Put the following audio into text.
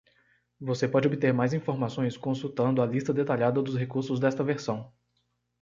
Você pode obter mais informações consultando a lista detalhada dos recursos desta versão.